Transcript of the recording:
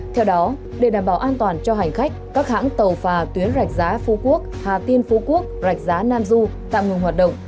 theo đó để đảm bảo an toàn cho hành khách các hãng tàu phà tuyến rạch giá phú quốc hà tiên phú quốc rạch giá nam du tạm ngừng hoạt động